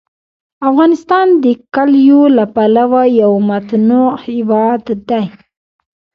افغانستان د کلیو له پلوه یو متنوع هېواد دی.